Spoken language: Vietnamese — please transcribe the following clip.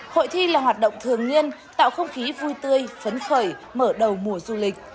hội thi là hoạt động thường niên tạo không khí vui tươi phấn khởi mở đầu mùa du lịch